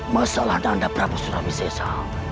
masalah nanda prabu suramisesa